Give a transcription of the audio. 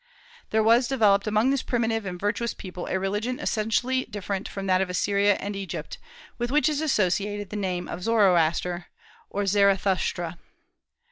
There was developed among this primitive and virtuous people a religion essentially different from that of Assyria and Egypt, with which is associated the name of Zoroaster, or Zarathushtra.